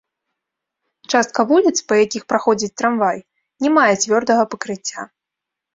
Частка вуліц, па якіх праходзіць трамвай, не мае цвёрдага пакрыцця.